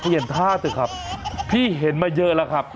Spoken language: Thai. เห็นท่าเถอะครับพี่เห็นมาเยอะแล้วครับ